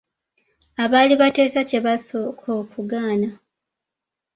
Abaali bateesa bye basooka okugaana.